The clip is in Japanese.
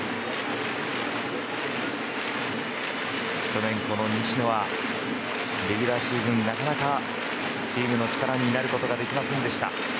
去年、西野はレギュラーシーズン、なかなかチームの力になることができませんでした。